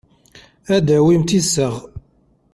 Ad d-tawimt iseɣ.